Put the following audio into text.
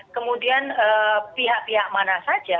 kemudian pihak pihak mana saja